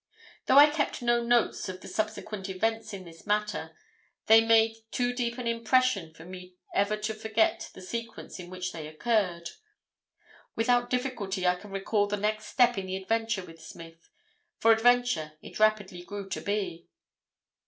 "Though I kept no notes of the subsequent events in this matter, they made too deep an impression for me ever to forget the sequence in which they occurred. Without difficulty I can recall the next step in the adventure with Smith, for adventure it rapidly grew to be."